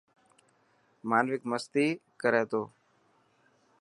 مانوڪ مستي ڪر تو.